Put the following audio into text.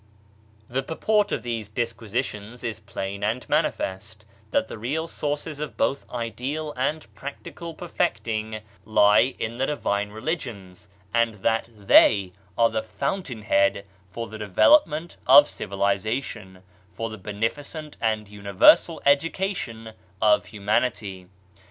Tile purport of these disquisitions is plain and manifest, that the real sources of both our ideal and practical perfecting lie in the divine religions and that they are the fountainhead for the development of civilization, for the beneficent and universal education of humanity.